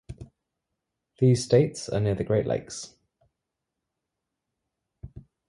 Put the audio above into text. These states are near the Great Lakes.